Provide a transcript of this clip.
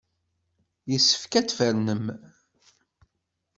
Yessefk ad tfernem.